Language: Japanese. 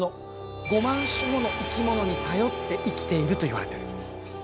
５万種もの生き物に頼って生きているといわれている。